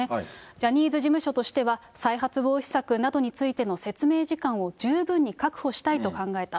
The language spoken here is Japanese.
ジャニーズ事務所としては、再発防止策などについての説明時間を十分に確保したいと考えた。